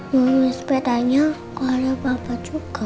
mau main sepedanya kok ada papa juga